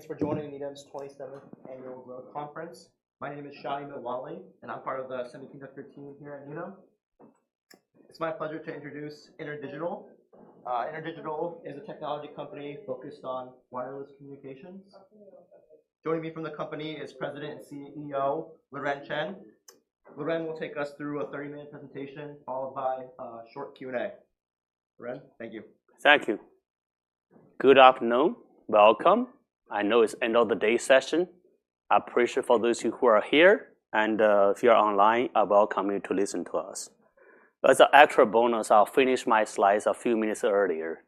Hello, everyone. Thanks for joining Needham & Company's 27th Annual Growth Conference. My name is Shawn Milne, and I'm part of the semiconductor team here at Needham & Company. It's my pleasure to introduce InterDigital. InterDigital is a technology company focused on wireless communications. Joining me from the company is President and CEO Liren Chen. Liren will take us through a 30-minute presentation followed by a short Q&A. Liren, thank you. Thank you. Good afternoon. Welcome. I know it's the end-of-the-day session. Appreciate it for those who are here. And if you are online, I welcome you to listen to us. As an extra bonus, I'll finish my slides a few minutes earlier.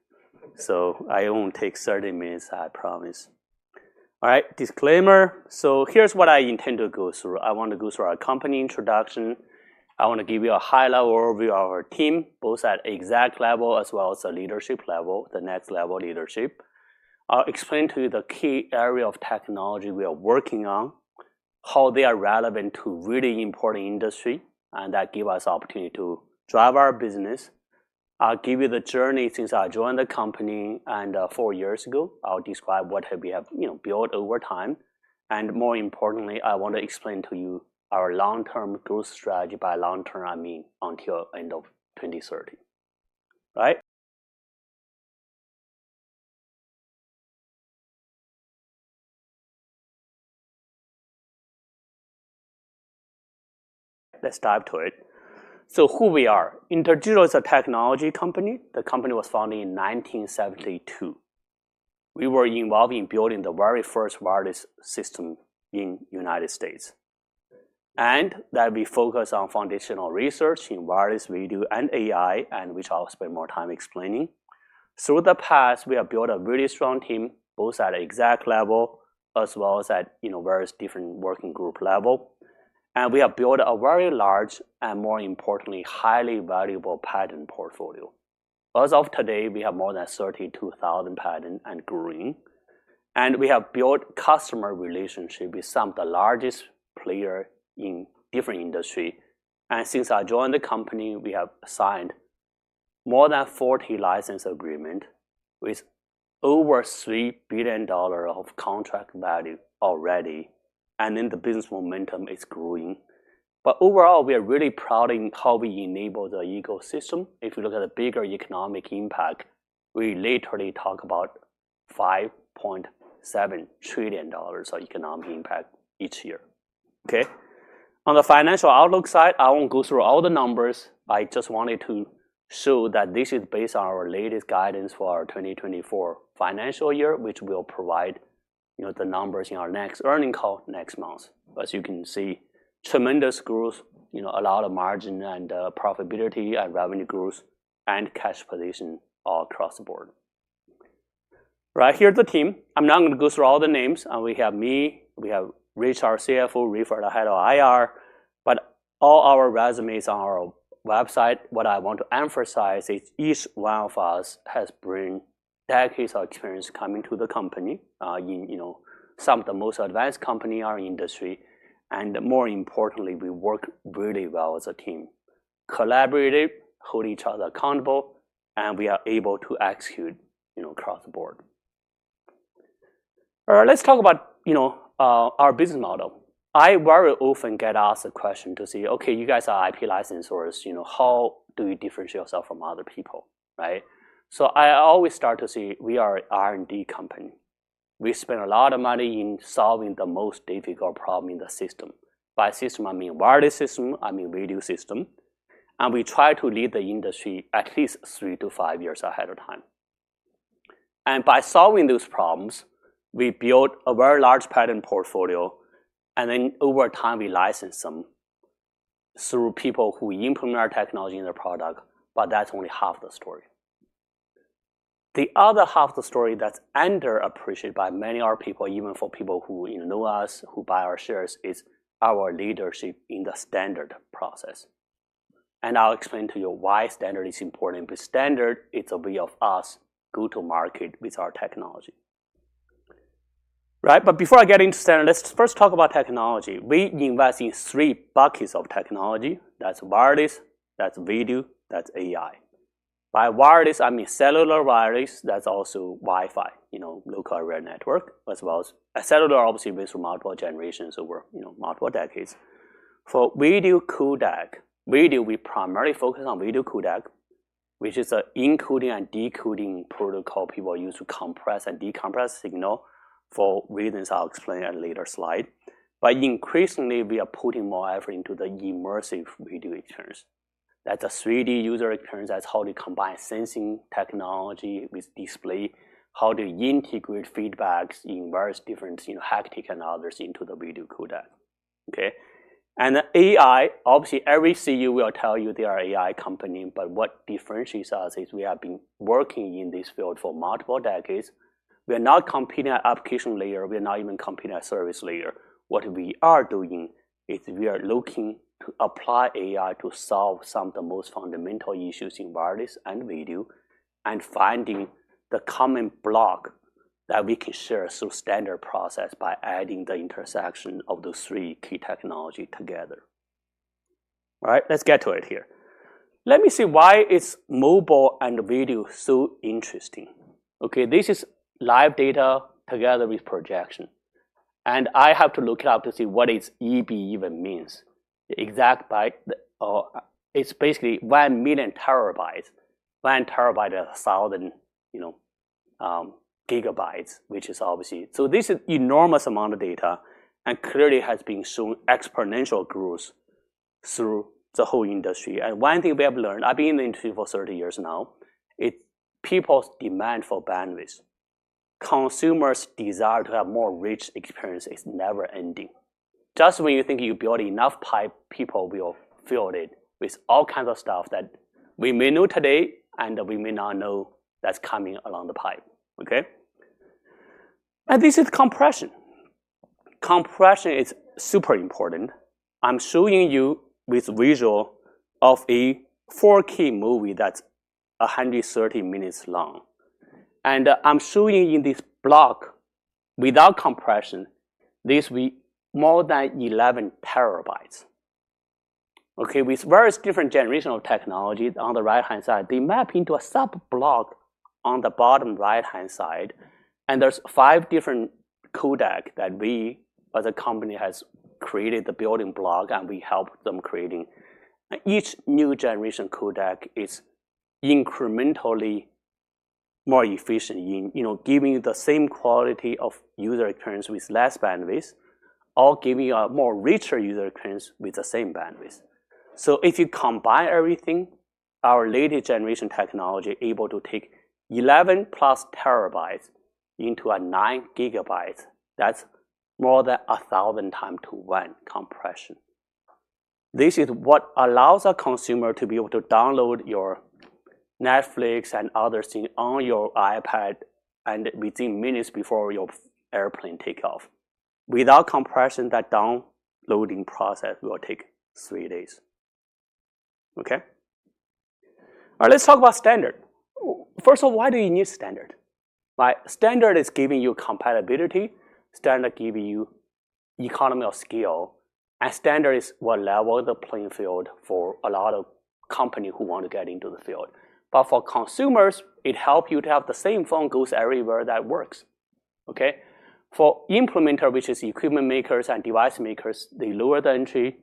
So I won't take 30 minutes, I promise. All right, disclaimer. So here's what I intend to go through. I want to go through our company introduction. I want to give you a high-level overview of our team, both at exec level as well as the leadership level, the next-level leadership. I'll explain to you the key areas of technology we are working on, how they are relevant to really important industries, and that gives us the opportunity to drive our business. I'll give you the journey since I joined the company four years ago. I'll describe what we have built over time. And more importantly, I want to explain to you our long-term growth strategy. By long-term, I mean until the end of 2030. All right? Let's dive into it. So, who we are? InterDigital is a technology company. The company was founded in 1972. We were involved in building the very first wireless system in the United States. And we focus on foundational research in wireless, video, and AI, which I'll spend more time explaining. Through the past, we have built a really strong team, both at exec level as well as at various different working group levels. And we have built a very large and, more importantly, highly valuable patent portfolio. As of today, we have more than 32,000 patents and patent applications. And we have built customer relationships with some of the largest players in different industries. And since I joined the company, we have signed more than 40 license agreements with over $3 billion of contract value already. And then the business momentum is growing. But overall, we are really proud in how we enable the ecosystem. If you look at the bigger economic impact, we literally talk about $5.7 trillion of economic impact each year. Okay? On the financial outlook side, I won't go through all the numbers. I just wanted to show that this is based on our latest guidance for our 2024 financial year, which we'll provide the numbers in our next earnings call next month. As you can see, tremendous growth, a lot of margin and profitability and revenue growth, and cash position all across the board. Right, here's the team. I'm not going to go through all the names. We have me. We have Richard, our CFO, Raiford, our head of IR. But all our resumes are on our website. What I want to emphasize is each one of us has brought decades of experience coming to the company. Some of the most advanced companies in our industry. And more importantly, we work really well as a team. Collaborative, hold each other accountable, and we are able to execute across the board. All right, let's talk about our business model. I very often get asked a question to see, "Okay, you guys are IP licensors. How do you differentiate yourself from other people?" Right? So I always start to say we are an R&D company. We spend a lot of money in solving the most difficult problem in the system. By system, I mean wireless system. I mean video system. And we try to lead the industry at least three to five years ahead of time. And by solving those problems, we build a very large patent portfolio. And then over time, we license them through people who implement our technology in their product. But that's only half the story. The other half of the story that's underappreciated by many other people, even for people who know us, who buy our shares, is our leadership in the standard process. And I'll explain to you why standard is important. With standard, it's a way of us going to market with our technology. Right? But before I get into standard, let's first talk about technology. We invest in three buckets of technology. That's wireless. That's video. That's AI. By wireless, I mean cellular wireless. That's also Wi-Fi, local area network, as well as cellular, obviously, with multiple generations over multiple decades. For video codec, we primarily focus on video codec, which is an encoding and decoding protocol people use to compress and decompress signal for reasons I'll explain at a later slide, but increasingly, we are putting more effort into the immersive video experience. That's a 3D user experience. That's how they combine sensing technology with display, how they integrate feedbacks in various different haptic and others into the video codec, okay, and AI, obviously, every CEO will tell you they are an AI company, but what differentiates us is we have been working in this field for multiple decades. We are not competing at the application layer. We are not even competing at the service layer. What we are doing is we are looking to apply AI to solve some of the most fundamental issues in wireless and video and finding the common block that we can share through standard process by adding the intersection of those three key technologies together. All right? Let's get to it here. Let me see why is mobile and video so interesting. Okay? This is live data together with projection. And I have to look it up to see what EB even means. Exabyte, it's basically one million TBs, one terabyte is 1,000 GB, which is obviously so this is an enormous amount of data. And clearly, it has been shown exponential growth through the whole industry. And one thing we have learned, I've been in the industry for 30 years now. It's people's demand for bandwidth. Consumers' desire to have more rich experience is never-ending. Just when you think you built enough pipe, people will fill it with all kinds of stuff that we may know today and we may not know that's coming along the pipe. Okay? This is compression. Compression is super important. I'm showing you with visual of a 4K movie that's 130 minutes long. I'm showing you in this block without compression, this will be more than 11 TBs. Okay? With various different generations of technology on the right-hand side, they map into a sub-block on the bottom right-hand side. There's five different codecs that we, as a company, have created the building block, and we help them creating. Each new generation codec is incrementally more efficient in giving you the same quality of user experience with less bandwidth, or giving you a more richer user experience with the same bandwidth. So if you combine everything, our latest generation technology is able to take 11 plus TBs into 9 GBs. That's more than 1,000x to 1 compression. This is what allows a consumer to be able to download your Netflix and other things on your iPad within minutes before your airplane takes off. Without compression, that downloading process will take three days. Okay? All right, let's talk about standard. First of all, why do you need standard? Right? Standard is giving you compatibility. Standard gives you economy of scale. And standard is what levels the playing field for a lot of companies who want to get into the field. But for consumers, it helps you to have the same phone goes everywhere that works. Okay? For implementers, which are equipment makers and device makers, they lower the entry,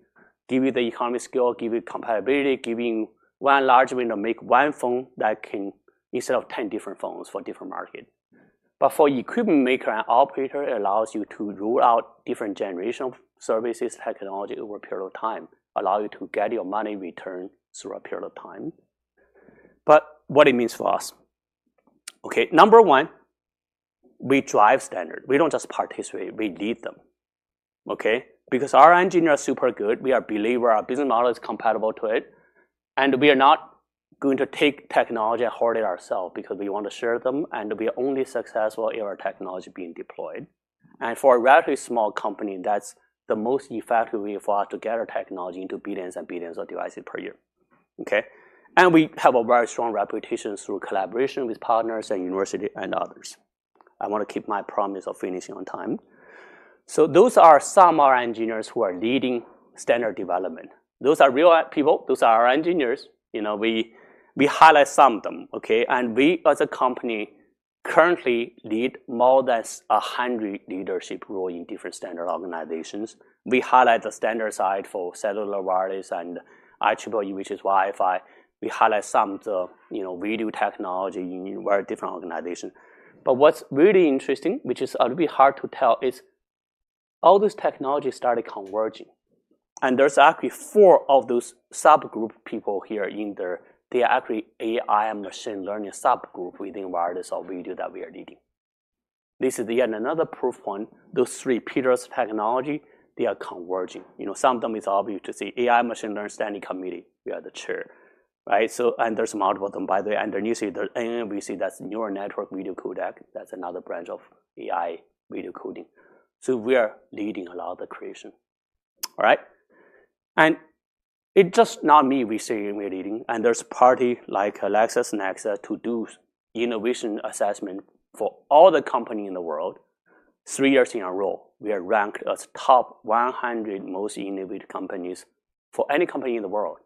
give you the economy of scale, give you compatibility, giving you one large way to make one phone that can instead of 10 different phones for different markets. But for equipment makers and operators, it allows you to roll out different generations of services, technologies over a period of time, allowing you to get your money returned through a period of time. But what it means for us? Okay? Number one, we drive standard. We don't just participate. We lead them. Okay? Because our engineers are super good. We are believing our business model is compatible to it. And we are not going to take technology and hoard it ourselves because we want to share them. And we are only successful if our technology is being deployed. For a relatively small company, that's the most effective way for us to get our technology into billions and billions of devices per year. Okay? We have a very strong reputation through collaboration with partners and universities and others. I want to keep my promise of finishing on time. So those are some of our engineers who are leading standard development. Those are real people. Those are our engineers. We highlight some of them. Okay? We, as a company, currently lead more than 100 leadership roles in different standard organizations. We highlight the standard side for cellular wireless and IEEE, which is Wi-Fi. We highlight some of the video technology in very different organizations. What's really interesting, which is a little bit hard to tell, is all those technologies started converging. There's actually four of those subgroup people here in there. They are actually AI and machine learning subgroups within wireless or video that we are leading. This is yet another proof point. Those three pillars of technology, they are converging. Some of them is obvious to see. AI, machine learning, standing committee. We are the chair. Right? And there's multiple of them, by the way. And then you see there's NNVC. That's Neural Network Video Codec. That's another branch of AI video coding. So we are leading a lot of the creation. All right? And it's just not me saying we're leading. And there's a party like LexisNexis to do innovation assessment for all the companies in the world. Three years in a row, we are ranked as top 100 most innovative companies for any company in the world.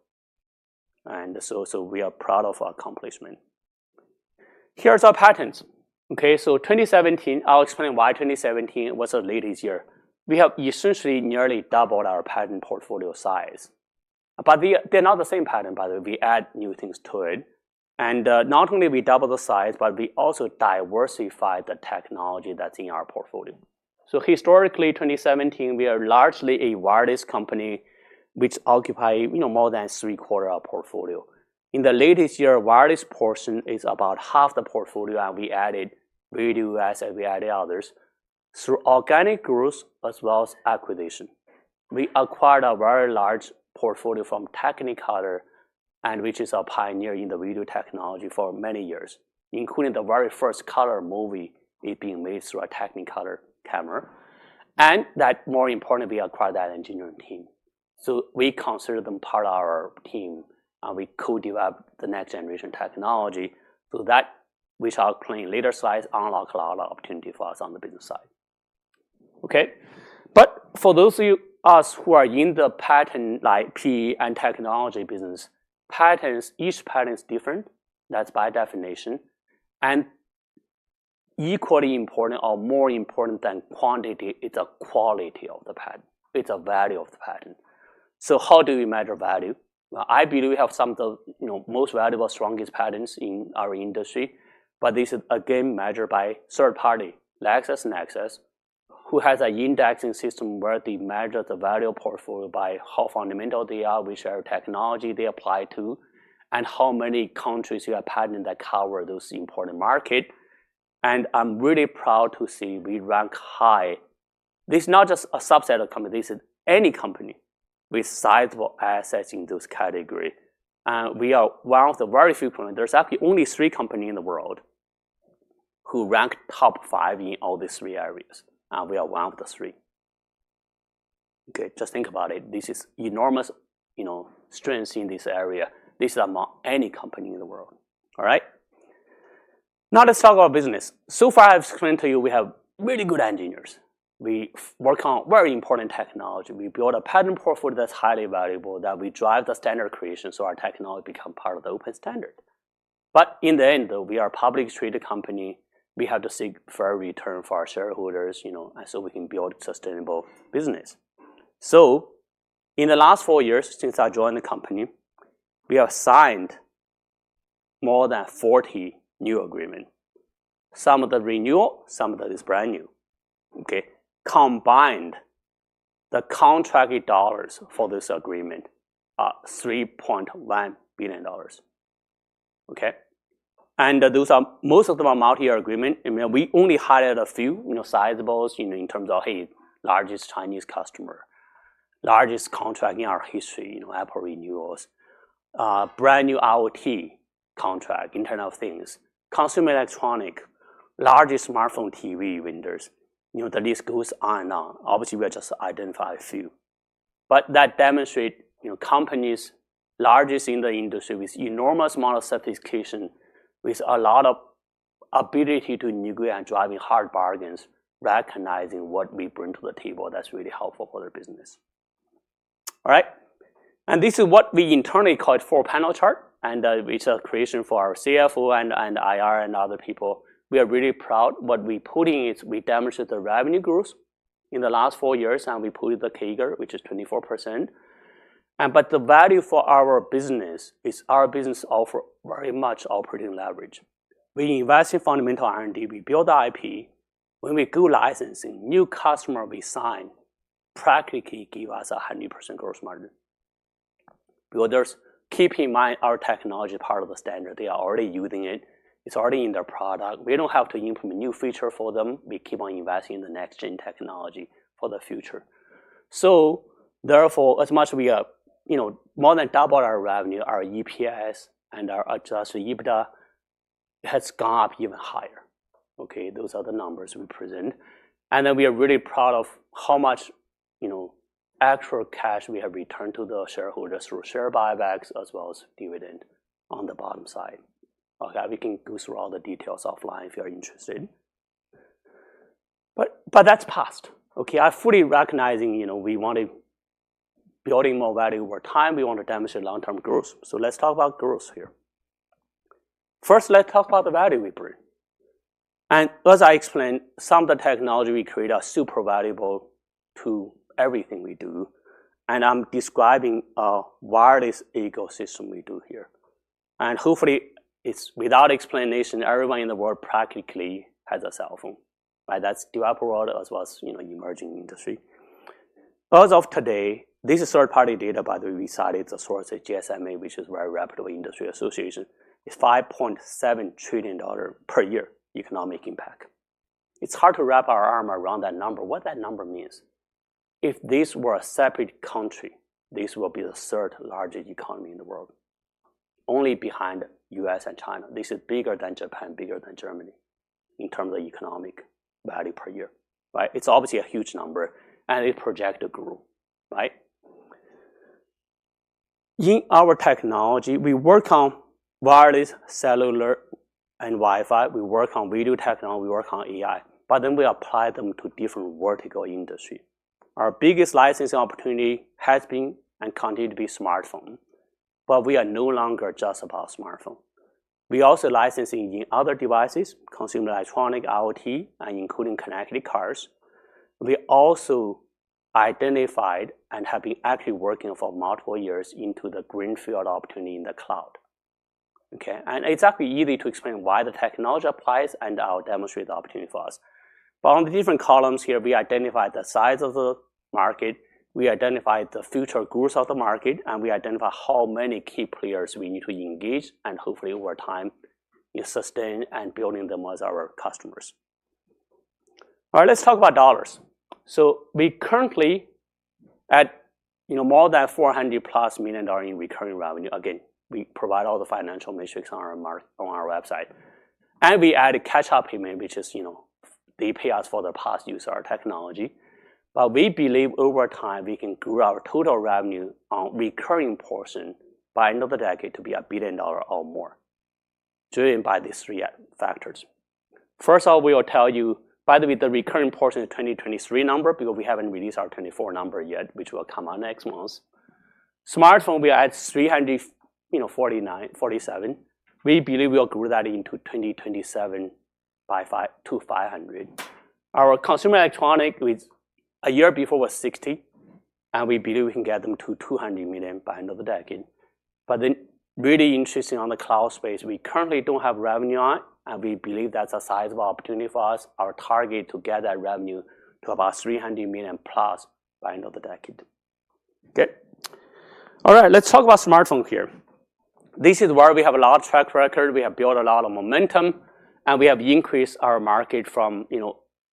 And so we are proud of our accomplishment. Here's our patents. Okay? So, 2017, I'll explain why 2017 was the latest year. We have essentially nearly doubled our patent portfolio size. But they're not the same patent, by the way. We add new things to it. And not only have we doubled the size, but we also diversified the technology that's in our portfolio. So historically, 2017, we are largely a wireless company which occupies more than three-quarters of our portfolio. In the latest year, wireless portion is about half the portfolio. And we added video as we added others through organic growth as well as acquisition. We acquired a very large portfolio from Technicolor, which is a pioneer in the video technology for many years, including the very first color movie being made through a Technicolor camera. And that, more importantly, we acquired that engineering team. So we consider them part of our team. And we co-develop the next-generation technology. So that, which I'll explain later slides, unlocks a lot of opportunity for us on the business side. Okay? But for those of us who are in the patent-like IP and technology business, each patent is different. That's by definition. And equally important or more important than quantity is the quality of the patent. It's the value of the patent. So how do we measure value? I believe we have some of the most valuable, strongest patents in our industry. But this is, again, measured by third parties like LexisNexis, who has an indexing system where they measure the value portfolio by how fundamental they are, which are technologies they apply to, and how many countries you have patents that cover those important markets. And I'm really proud to say we rank high. This is not just a subset of companies. This is any company with sizable assets in those categories, and we are one of the very few companies. There's actually only three companies in the world who rank top five in all these three areas, and we are one of the three. Okay? Just think about it. This is enormous strength in this area. This is among any company in the world. All right? Now, let's talk about business, so far, I've explained to you we have really good engineers. We work on very important technology. We build a patent portfolio that's highly valuable that we drive the standard creation so our technology becomes part of the open standard, but in the end, though, we are a publicly traded company. We have to seek fair return for our shareholders so we can build a sustainable business. So in the last four years since I joined the company, we have signed more than 40 new agreements. Some of them are renewal. Some of them are brand new. Okay? Combined, the contracted dollars for this agreement are $3.1 billion. Okay? And most of them are multi-year agreements. We only signed a few sizables in terms of, hey, largest Chinese customer, largest contract in our history, Apple renewals, brand new IoT contract, internal things, consumer electronics, largest smartphone TV vendors. The list goes on and on. Obviously, we are just identifying a few. But that demonstrates companies largest in the industry with enormous amount of sophistication, with a lot of ability to negotiate and drive hard bargains, recognizing what we bring to the table that's really helpful for their business. All right? And this is what we internally call a four-panel chart. It's a creation for our CFO and IR and other people. We are really proud. What we're putting is we demonstrate the revenue growth in the last four years. We put the CAGR, which is 24%. But the value for our business is our business offers very much operating leverage. We invest in fundamental R&D. We build the IP. When we do licensing, new customers we sign practically give us a 100% gross margin. Builders, keep in mind our technology is part of the standard. They are already using it. It's already in their product. We don't have to implement new features for them. We keep on investing in the next-gen technology for the future. So therefore, as much as we have more than doubled our revenue, our EPS and our adjusted EBITDA has gone up even higher. Okay? Those are the numbers we present. And then we are really proud of how much actual cash we have returned to the shareholders through share buybacks as well as dividend on the bottom side. Okay? We can go through all the details offline if you are interested. But that's past. Okay? I fully recognize we want to build more value over time. We want to demonstrate long-term growth. So let's talk about growth here. First, let's talk about the value we bring. And as I explained, some of the technology we create are super valuable to everything we do. And I'm describing a wireless ecosystem we do here. And hopefully, without explanation, everyone in the world practically has a cell phone. Right? That's developed world as well as emerging industry. As of today, this is third-party data, by the way. We cited the source at GSMA, which is very reputable industry association. It's $5.7 trillion per year economic impact. It's hard to wrap our arm around that number. What that number means? If this were a separate country, this would be the third largest economy in the world, only behind the U.S. and China. This is bigger than Japan, bigger than Germany in terms of economic value per year. Right? It's obviously a huge number, and its projected growth. Right? In our technology, we work on wireless, cellular, and Wi-Fi. We work on video technology. We work on AI. But then we apply them to different vertical industries. Our biggest licensing opportunity has been and continues to be smartphones. But we are no longer just about smartphones. We also license in other devices, consumer electronics, IoT, and including connected cars. We also identified and have been actively working for multiple years into the greenfield opportunity in the cloud. Okay? It's actually easy to explain why the technology applies. I'll demonstrate the opportunity for us. On the different columns here, we identified the size of the market. We identified the future growth of the market. We identified how many key players we need to engage. Hopefully, over time, sustain and build them as our customers. All right, let's talk about dollars. We currently add more than $400 million in recurring revenue. Again, we provide all the financial metrics on our website. We add a catch-up payment, which is they pay us for the past use of our technology. We believe over time, we can grow our total revenue on recurring portion by the end of the decade to be $1 billion or more driven by these three factors. First off, we will tell you, by the way, the recurring portion is a 2023 number because we haven't released our 2024 number yet, which will come out next month. Smartphones, we are at $347. We believe we will grow that into 2027 to $500. Our consumer electronics, a year before, was $60. And we believe we can get them to $200 million by the end of the decade. But then really interesting on the cloud space, we currently don't have revenue on. And we believe that's a sizable opportunity for us. Our target is to get that revenue to about $300 million plus by the end of the decade. Okay? All right, let's talk about smartphones here. This is where we have a lot of track record. We have built a lot of momentum. And we have increased our market from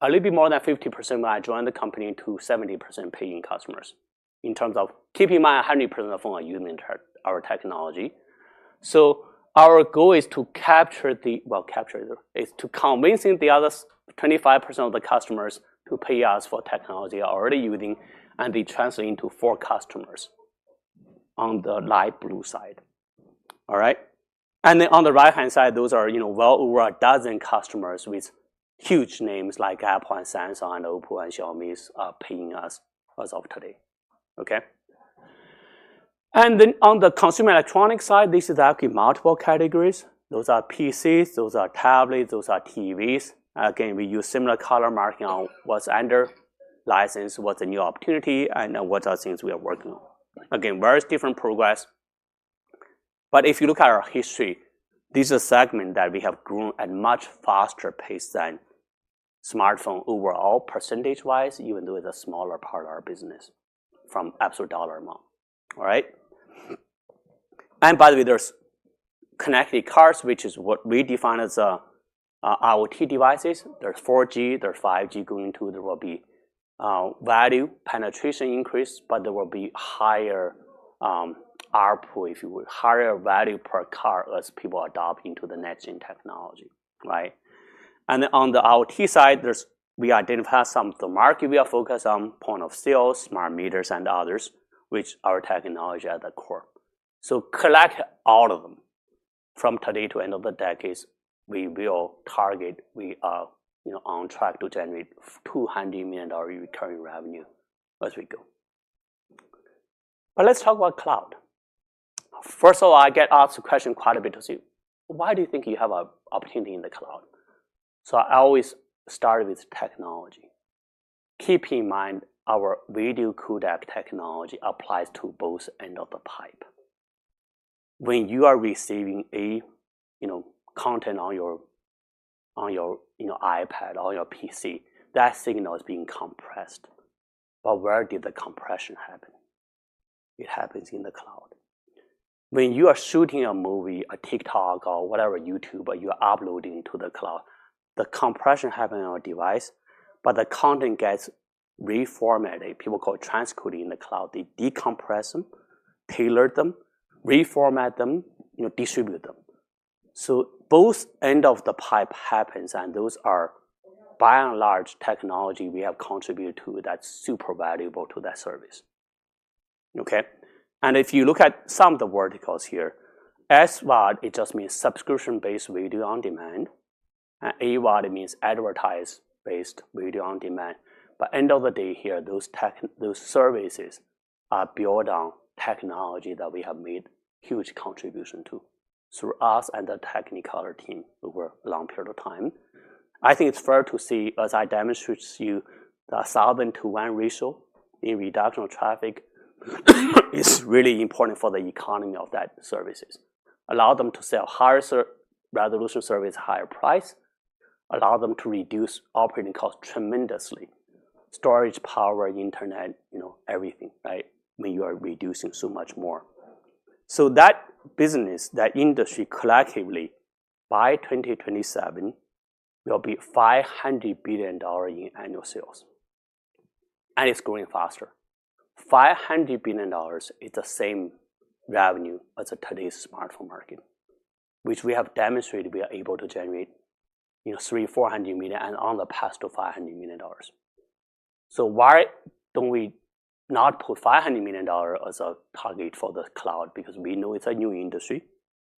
a little bit more than 50% when I joined the company to 70% paying customers, in terms of keeping in mind 100% of the phones are using our technology. So our goal is to capture. Well, capture is convincing the other 25% of the customers to pay us for technology already using. And they translate into four customers on the light blue side. All right? And then on the right-hand side, those are well over a dozen customers with huge names like Apple and Samsung and Oppo and Xiaomi paying us as of today. Okay? And then on the consumer electronics side, this is actually multiple categories. Those are PCs. Those are tablets. Those are TVs. Again, we use similar color marking on what's under license, what's a new opportunity, and what are things we are working on. Again, various different progress. But if you look at Our History, this is a segment that we have grown at a much faster pace than smartphones overall percentage-wise, even though it's a smaller part of our business from absolute dollar amount. All right? And by the way, there's connected cars, which is what we define as IoT devices. There's 4G. There's 5G going to. There will be value penetration increase. But there will be higher output, if you will, higher value per car as people adopt into the next-gen technology. Right? And then on the IoT side, we identify some of the market we are focused on, point of sale, smart meters, and others, which are technology at the core. So collect all of them. From today to the end of the decade, we will target. We are on track to generate $200 million recurring revenue as we go. But let's talk about cloud. First of all, I get asked the question quite a bit, you see, why do you think you have an opportunity in the cloud? So I always start with technology. Keep in mind our video codec technology applies to both ends of the pipe. When you are receiving content on your iPad or your PC, that signal is being compressed. But where did the compression happen? It happens in the cloud. When you are shooting a movie, a TikTok, or whatever, YouTube, or you are uploading to the cloud, the compression happens on our device. But the content gets reformatted. People call it transcoding in the cloud. They decompress them, tailor them, reformat them, distribute them. So both ends of the pipe happen. And those are, by and large, technology we have contributed to that's super valuable to that service. Okay? If you look at some of the verticals here, SVOD, it just means subscription-based video on demand. AVOD, it means advertising-based video on demand. At the end of the day, those services are built on technology that we have made huge contribution to through us and the Technicolor team over a long period of time. I think it's fair to say, as I demonstrate to you, the compression ratio in reduction of traffic is really important for the economy of those services. Allow them to sell higher resolution services, higher price. Allow them to reduce operating costs tremendously. Storage, power, internet, everything. Right? When you are reducing so much more. That business, that industry collectively, by 2027, will be $500 billion in annual sales. It's growing faster. $500 billion is the same revenue as today's smartphone market, which we have demonstrated we are able to generate $300 million-$400 million, and on the path to $500 million. So why don't we not put $500 million as a target for the cloud? Because we know it's a new industry.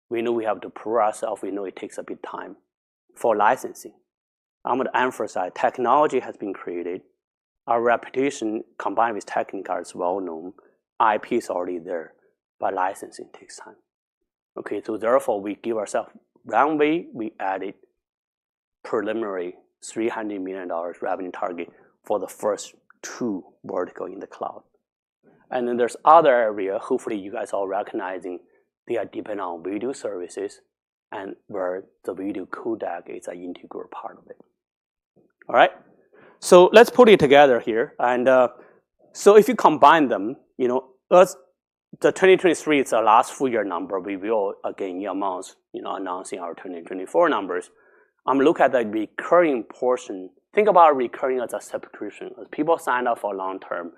We know we have to prove ourselves. We know it takes a bit of time for licensing. I'm going to emphasize technology has been created. Our reputation, combined with Technicolor, is well-known. IP is already there. But licensing takes time. Okay? So therefore, we give ourselves runway. We added preliminary $300 million revenue target for the first two verticals in the cloud. And then there's other area. Hopefully, you guys are recognizing they are dependent on video services and where the video codec is an integral part of it. All right? So let's put it together here. If you combine them, as 2023 is our last full-year number, we will, again, announce our 2024 numbers. I'm looking at the recurring portion. Think about recurring as a subscription. As people sign up for long-term,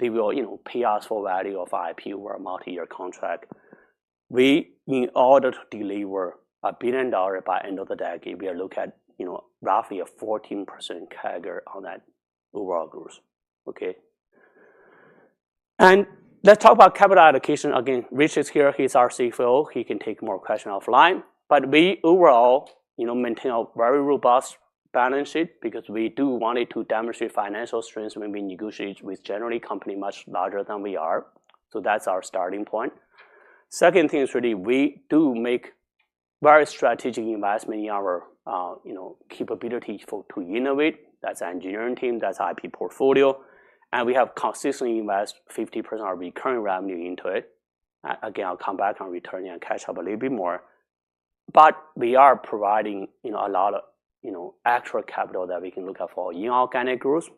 they will pay us for value of IP over a multi-year contract. We, in order to deliver $1 billion by the end of the decade, are looking at roughly a 14% CAGR on that overall growth. Okay? And let's talk about capital allocation. Again, Richard's here. He's our CFO. He can take more questions offline. But we overall maintain a very robust balance sheet because we do want to demonstrate financial strength when we negotiate with generally a company much larger than we are. So that's our starting point. Second thing is really we do make very strategic investment in our capability to innovate. That's our engineering team. That's our IP portfolio. And we have consistently invested 50% of our recurring revenue into it. Again, I'll come back on returning and catch up a little bit more. But we are providing a lot of extra capital that we can look at for inorganic growth.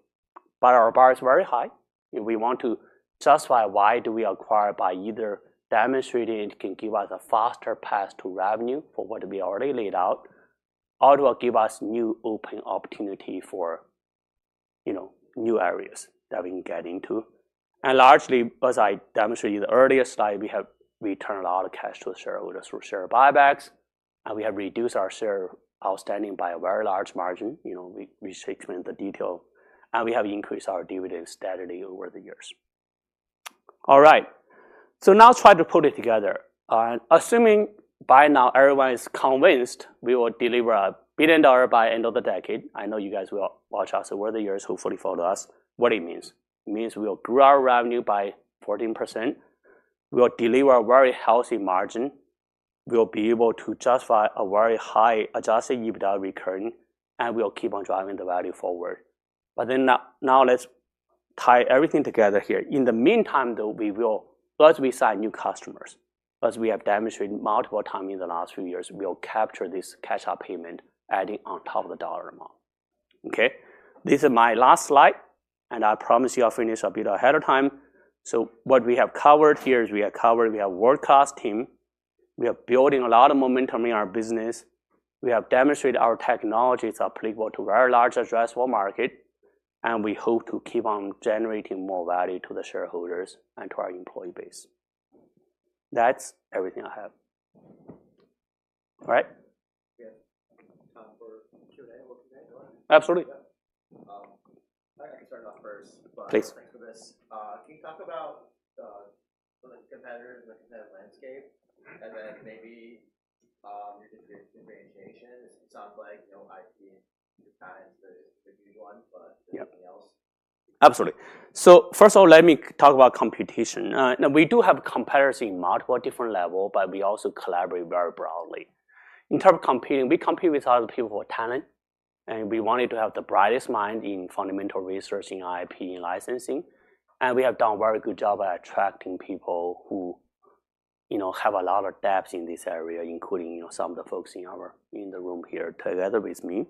But our bar is very high. We want to justify why do we acquire by either demonstrating it can give us a faster path to revenue for what we already laid out, or it will give us new open opportunity for new areas that we can get into. And largely, as I demonstrated in the earlier slide, we have returned a lot of cash to shareholders through share buybacks. And we have reduced our share outstanding by a very large margin. We restricted the detail. And we have increased our dividends steadily over the years. All right. So now try to put it together. Assuming by now everyone is convinced we will deliver $1 billion by the end of the decade. I know you guys will watch us over the years. Hopefully, follow us. What does it mean? It means we will grow our revenue by 14%. We will deliver a very healthy margin. We will be able to justify a very high adjusted EBITDA recurring. We will keep on driving the value forward. But then now let's tie everything together here. In the meantime, though, we will, as we sign new customers, as we have demonstrated multiple times in the last few years, we will capture this catch-up payment adding on top of the dollar amount. Okay? This is my last slide. I promise you I'll finish a bit ahead of time. What we have covered here is we have covered a world-class team. We are building a lot of momentum in our business. We have demonstrated our technology is applicable to a very large addressable market, and we hope to keep on generating more value to the shareholders and to our employee base. That's everything I have. All right? Yeah. Time for Q&A? Absolutely. I can start off first. Please. Thanks for this. Can you talk about the competitors and the competitive landscape? And then maybe your differentiation. It sounds like IP and compliance is a huge one, but anything else? Absolutely. So first of all, let me talk about competition. We do have competitors in multiple different levels, but we also collaborate very broadly. In terms of competing, we compete with other people for talent. And we wanted to have the brightest mind in fundamental research in IP and licensing. And we have done a very good job at attracting people who have a lot of depth in this area, including some of the folks in the room here together with me.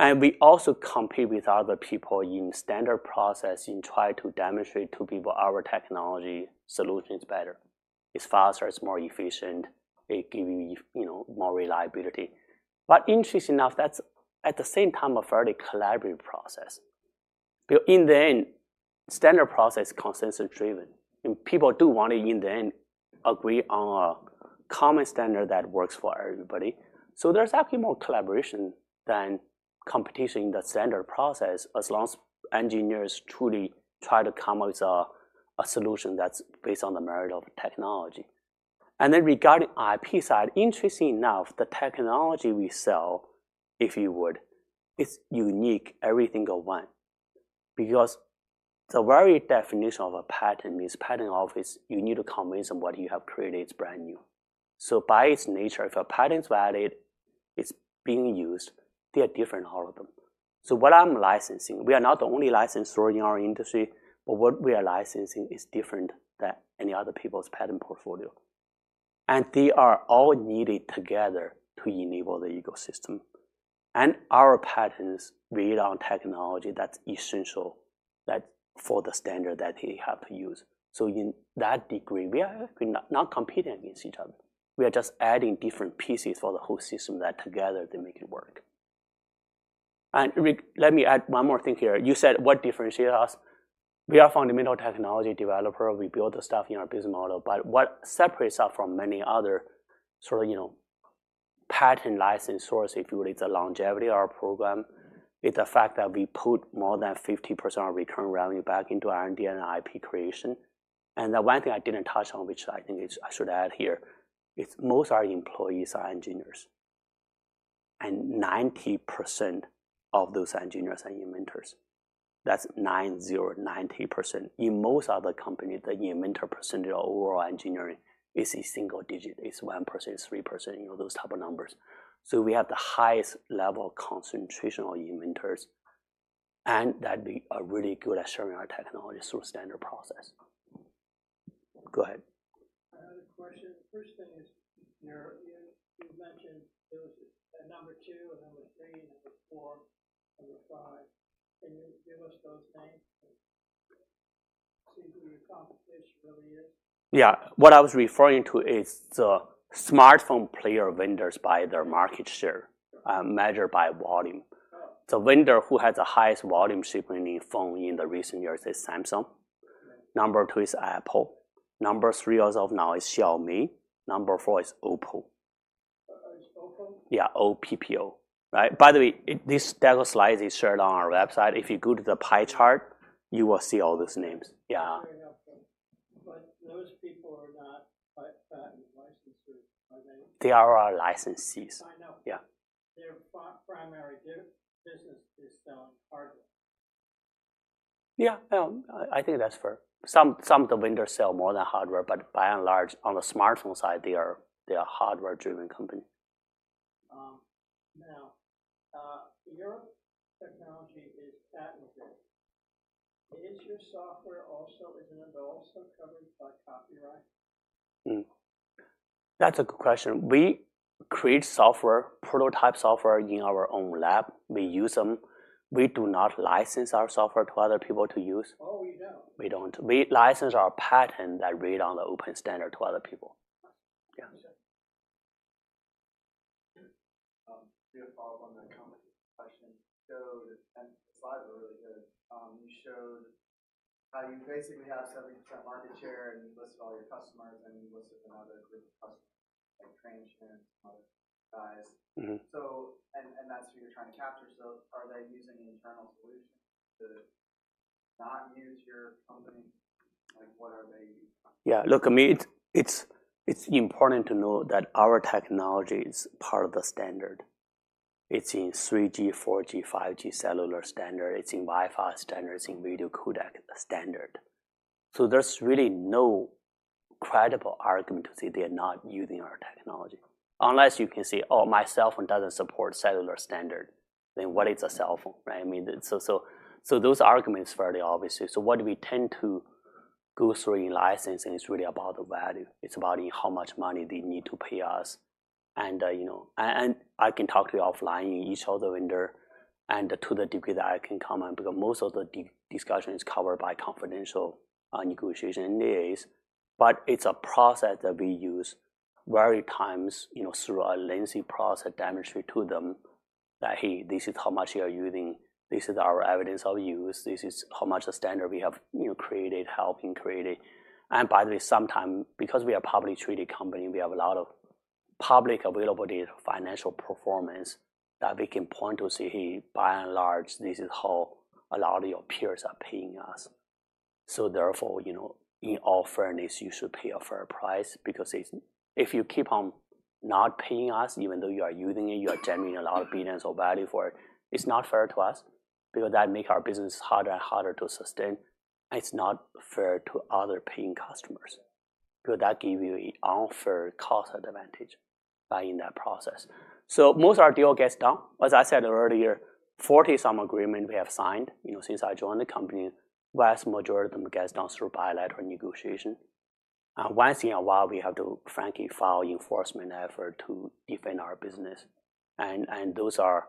And we also compete with other people in standard process and try to demonstrate to people our technology solution is better. It's faster. It's more efficient. It gives you more reliability. But interesting enough, that's at the same time a fairly collaborative process. In the end, standard process is consensus-driven. And people do want to, in the end, agree on a common standard that works for everybody. So there's actually more collaboration than competition in the standard process as long as engineers truly try to come up with a solution that's based on the merit of technology. And then regarding the IP side, interesting enough, the technology we sell, if you would, is unique every single one. Because the very definition of a patent means the patent office you need to convince them what you have created is brand new. So by its nature, if a patent's valid, it's being used, they are different all of them. So what I'm licensing, we are not the only licensor in our industry. But what we are licensing is different than any other people's patent portfolio. And they are all needed together to enable the ecosystem. And our patents read on technology that's essential for the standard that they have to use. So in that degree, we are not competing against each other. We are just adding different pieces for the whole system that together, they make it work. And let me add one more thing here. You said, what differentiates us? We are fundamental technology developer. We build the stuff in our business model. But what separates us from many other sort of patent license source, if you will, is the longevity of our program. It's the fact that we put more than 50% of recurring revenue back into R&D and IP creation. And the one thing I didn't touch on, which I think I should add here, is most of our employees are engineers. And 90% of those engineers are inventors. That's 90, 90%. In most other companies, the inventor percentage of overall engineering is a single digit. It's 1%, 3%, those type of numbers. So we have the highest level of concentration of inventors. And that we are really good at sharing our technology through standard process. Go ahead. I have a question. The first thing is, you mentioned those number two, number three, number four, number five. Can you give us those names? See who your competition really is. Yeah. What I was referring to is the smartphone player vendors by their market share measured by volume. The vendor who has the highest volume shipment in phone in the recent years is Samsung. Number two is Apple. Number three as of now is Xiaomi. Number four is Oppo. Oppo? Yeah, Oppo. Right? By the way, this demo slide is shared on our website. If you go to the pie chart, you will see all those names. Yeah. Very helpful. But those people are not patent licensors. Are they? They are licensees. I know. Yeah. Their primary business is selling hardware. Yeah. I think that's fair. Some of the vendors sell more than hardware. But by and large, on the smartphone side, they are a hardware-driven company. Now, your technology is patented. Is your software also covered by copyright? That's a good question. We create software, prototype software in our own lab. We use them. We do not license our software to other people to use. Oh, you don't? We don't. We license our patents that read on the open standard to other people. Do you have a follow-up on that company question? The slides were really good. You showed how you basically have 70% market share, and you listed all your customers and you listed another group of customers, like Transsion, some other guys. And that's who you're trying to capture. So are they using internal solutions to not use your company? What are they using? Yeah. Look, I mean, it's important to know that our technology is part of the standard. It's in 3G, 4G, 5G cellular standard. It's in Wi-Fi standard. It's in video codec standard. So there's really no credible argument to say they are not using our technology. Unless you can say, "Oh, my cell phone doesn't support cellular standard." Then what is a cell phone? Right? I mean, so those arguments are fairly obvious. So what we tend to go through in licensing is really about the value. It's about how much money they need to pay us. And I can talk to you offline about each vendor and to the degree that I can comment. Because most of the discussion is covered by confidential negotiations. But it's a process that we use every time through a lengthy process demonstrated to them that, "Hey, this is how much you are using. This is our evidence of use. This is how much the standard we have created, helped create." And by the way, sometimes, because we are a publicly traded company, we have a lot of publicly available data on financial performance that we can point to say, "Hey, by and large, this is how a lot of your peers are paying us." So therefore, in all fairness, you should pay a fair price. Because if you keep on not paying us, even though you are using it, you are generating a lot of billions of value for it, it's not fair to us. Because that makes our business harder and harder to sustain. And it's not fair to other paying customers. Because that gives you an unfair cost advantage in that process. So most of our deal gets done. As I said earlier, 40-some agreements we have signed since I joined the company. The vast majority of them gets done through bilateral negotiation. And once in a while, we have to, frankly, file enforcement effort to defend our business. And those are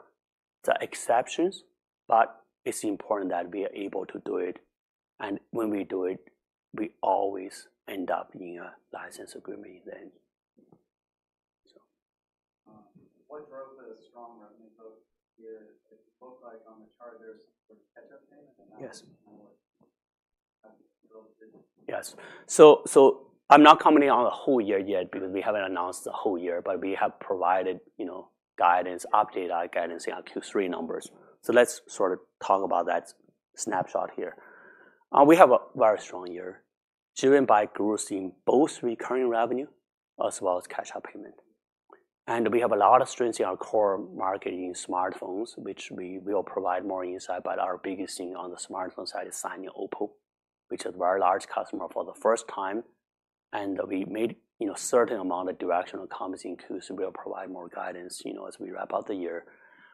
the exceptions. But it's important that we are able to do it. And when we do it, we always end up in a license agreement in the end. What drove the strong revenue growth here? It looked like on the chart there's some sort of catch-up payment. Yes. Yes. So I'm not commenting on the whole year yet because we haven't announced the whole year. But we have provided guidance, updated our guidance in our Q3 numbers. So let's sort of talk about that snapshot here. We have a very strong year, driven by growth in both recurring revenue as well as catch-up payment. And we have a lot of strengths in our core market in smartphones, which we will provide more insight. But our biggest thing on the smartphone side is signing Oppo, which is a very large customer for the first time. And we made a certain amount of directional comments in Q3. We'll provide more guidance as we wrap up the year.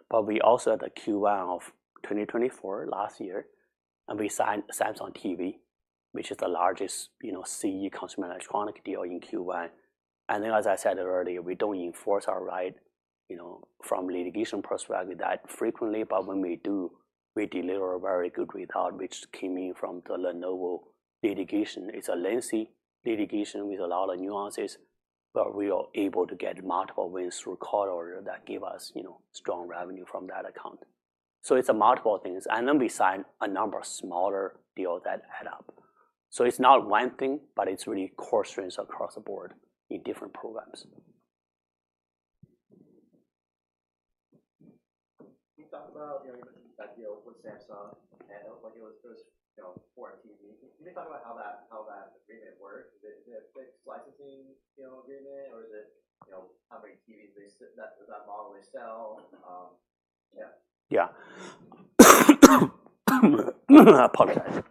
But we also had a Q1 of 2024 last year. And we signed Samsung TV, which is the largest CE consumer electronic deal in Q1. And then, as I said earlier, we don't enforce our right from litigation perspective that frequently. But when we do, we deliver a very good result, which came in from the Lenovo litigation. It's a lengthy litigation with a lot of nuances. But we are able to get multiple wins through court order that give us strong revenue from that account. So it's multiple things. And then we signed a number of smaller deals that add up. So it's not one thing, but it's really core strengths across the board in different programs. Can you talk about you mentioned that deal with Samsung and what it was for a TV? Can you talk about how that agreement worked? Is it a fixed licensing agreement? Or is it how many TVs does that model sell? Yeah. I apologize.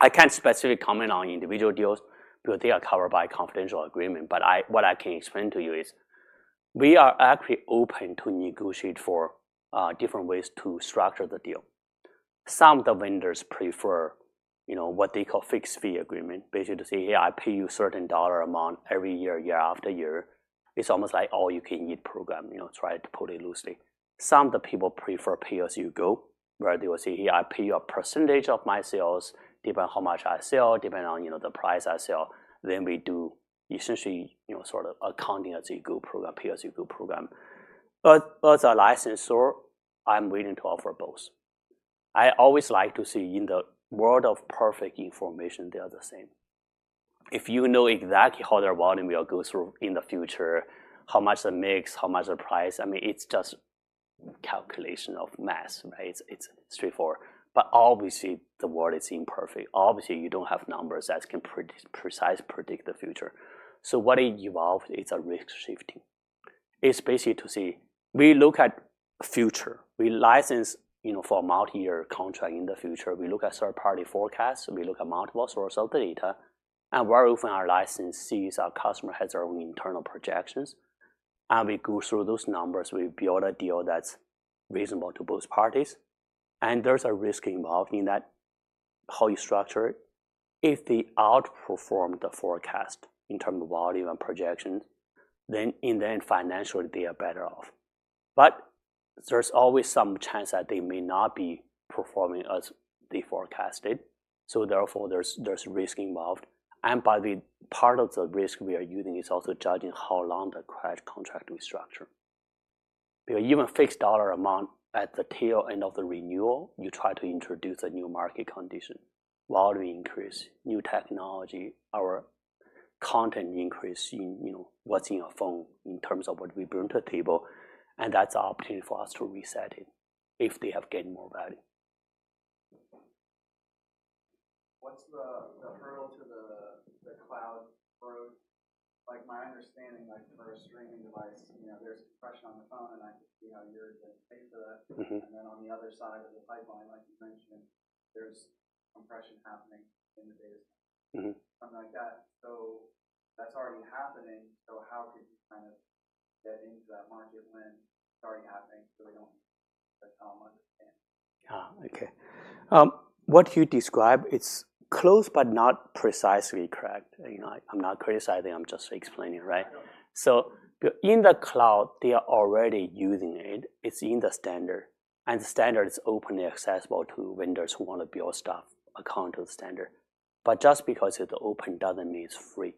I can't specifically comment on individual deals because they are covered by confidential agreement. But what I can explain to you is we are actually open to negotiate for different ways to structure the deal. Some of the vendors prefer what they call fixed fee agreement. Basically to say, "Hey, I pay you a certain dollar amount every year, year after year." It's almost like all you can eat program. Try to put it loosely. Some of the people prefer pay-as-you-go, where they will say, "Hey, I pay you a percentage of my sales, depending on how much I sell, depending on the price I sell." Then we do essentially sort of accounting as a good program, pay-as-you-go program. But as a licensor, I'm willing to offer both. I always like to see in the world of perfect information, they are the same. If you know exactly how their volume will go through in the future, how much the mix, how much the price, I mean, it's just calculation of math. Right? It's straightforward. But obviously, the world is imperfect. Obviously, you don't have numbers that can precisely predict the future. So what it evolved, it's a risk shifting. It's basically to say, we look at future. We license for multi-year contract in the future. We look at third-party forecasts. We look at multiple sources of the data. And very often, our licensees, our customers have their own internal projections. And we go through those numbers. We build a deal that's reasonable to both parties. And there's a risk involved in that, how you structure it. If they outperform the forecast in terms of volume and projections, then in the end, financially, they are better off. But there's always some chance that they may not be performing as they forecasted. So therefore, there's risk involved. And by the way, part of the risk we are using is also judging how long the credit contract we structure. Because even fixed dollar amount at the tail end of the renewal, you try to introduce a new market condition. Volume increase. New technology. Our content increase in what's in our phone in terms of what we bring to the table. And that's an opportunity for us to reset it if they have gained more value. What's the hurdle to the cloud approach? My understanding, for a streaming device, there's compression on the phone. And I can see how you're getting paid for that. And then on the other side of the pipeline, like you mentioned, there's compression happening in the data center. Something like that. So that's already happening. So how could you kind of get into that market when it's already happening so they don't understand? Yeah. Okay. What you describe, it's close but not precisely correct. I'm not criticizing. I'm just explaining. Right? So in the cloud, they are already using it. It's in the standard. And the standard is openly accessible to vendors who want to build stuff according to the standard. But just because it's open doesn't mean it's free.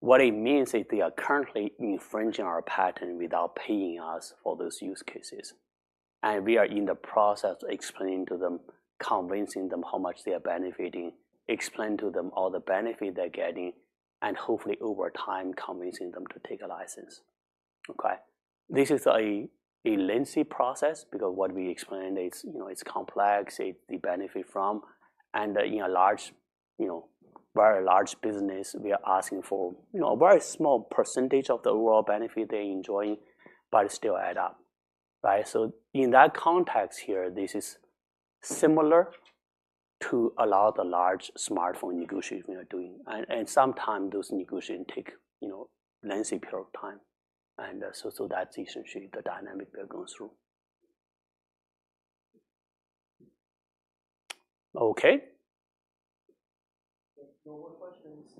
What it means is they are currently infringing our patent without paying us for those use cases. And we are in the process of explaining to them, convincing them how much they are benefiting, explaining to them all the benefits they're getting, and hopefully, over time, convincing them to take a license. Okay? This is a lengthy process. Because what we explained, it's complex. It's the benefit from. And in a very large business, we are asking for a very small percentage of the overall benefit they're enjoying, but it still adds up. Right? So in that context here, this is similar to a lot of the large smartphone negotiations we are doing. And sometimes those negotiations take a lengthy period of time. And so that's essentially the dynamic we are going through. Okay? No more questions.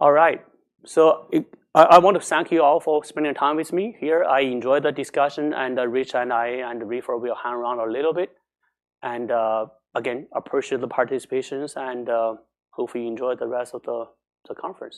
All right, so I want to thank you all for spending time with me here. I enjoyed the discussion, and Rich and I and Raiford will hang around a little bit, and again, appreciate the participations, and hopefully, you enjoy the rest of the conference.